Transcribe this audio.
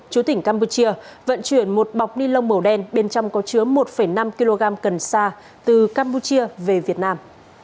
chú tỉnh campuchia vận chuyển một bọc ni lông màu đen bên trong có chứa một năm kg cần sa từ campuchia về việt nam